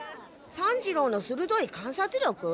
三治郎の鋭い観察力？